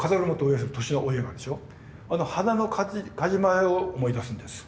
あの「花の風車」を思い出すんです。